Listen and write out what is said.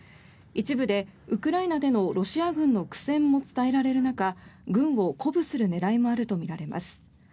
一部でウクライナでのロシア軍の苦戦も伝えられる中軍を鼓舞する狙いもあるとみられます。